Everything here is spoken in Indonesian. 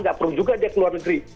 gak perlu juga dia keluar negeri